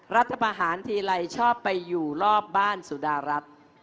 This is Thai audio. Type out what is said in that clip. รัฐประหารทีไรชอบไปอยู่รอบบ้านสุดารัฐ